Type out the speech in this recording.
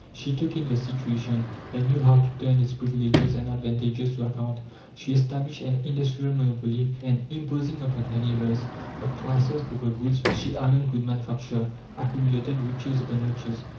She took in the situation, and knew how to turn its privileges and advantages to account. She established an industrial monopoly, and, imposing upon her neighbours her prices for the goods she alone could manufacture, accumulated riches upon riches.